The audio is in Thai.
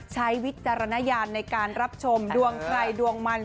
วิจารณญาณในการรับชมดวงใครดวงมัน